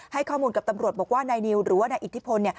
ให้ข้อมูลกับตำรวจบอกว่านายนิวหรือว่านายอิทธิพล